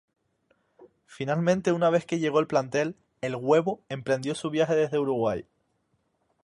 Finalmente, una vez que llegó el plantel, el "Huevo" emprendió su viaje desde Uruguay.